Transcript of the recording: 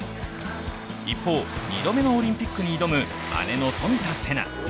一方、２度目のオリンピックに挑む姉の冨田せな。